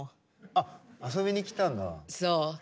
あっ遊びに来たんだ。